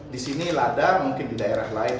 di sini lada mungkin di daerah lain